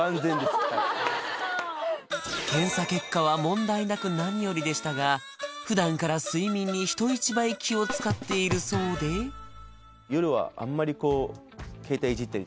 ・よかった検査結果は問題なく何よりでしたが普段から睡眠に人一倍気を使っているそうで夜はあんまり